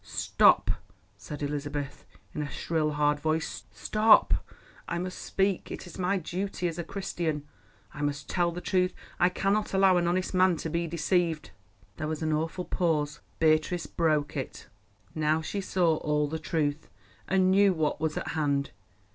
"Stop!" said Elizabeth in a shrill, hard voice. "Stop! I must speak; it is my duty as a Christian. I must tell the truth. I cannot allow an honest man to be deceived." There was an awful pause. Beatrice broke it. Now she saw all the truth, and knew what was at hand.